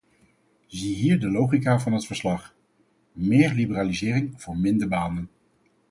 Ziehier de logica van het verslag: meer liberalisering voor minder banen.